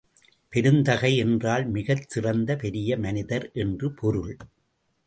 பெருந்தகை என்றால் மிகச் சிறந்த பெரிய மனிதர் என்று பொருள்.